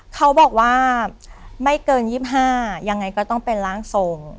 เขาบอกว่าไม่เกิน๒๕ยังไงก็ต้องเป็นร่างทรง